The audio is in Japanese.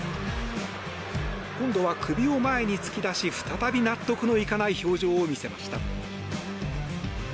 今度は首を前に突き出し再び納得のいかない表情を見せました。